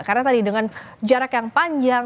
karena tadi dengan jarak yang panjang